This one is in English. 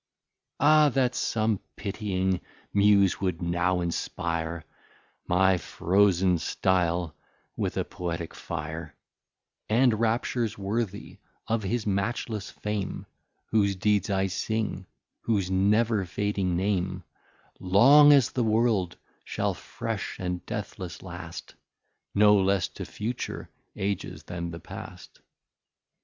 Ah that some pitying Muse would now inspire My frozen style with a Poetique fire, And Raptures worthy of his Matchless Fame, Whose Deeds I sing, whose never fading Name Long as the world shall fresh and deathless last, No less to future Ages, then the past.